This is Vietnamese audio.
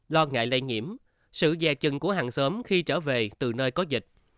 lo ngại lây nhiễm sự dè chừng của hàng sớm khi trở về từ nơi có dịch